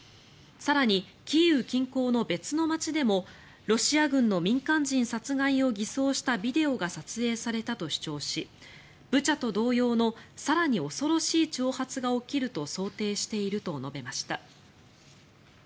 更に、キーウ近郊の別の街でもロシア軍の民間人殺害を偽装したビデオが撮影されたと主張しブチャと同様の更に恐ろしい挑発が起きると想定していると述べました。